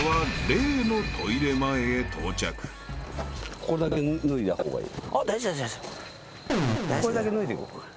これだけ脱いでいこう。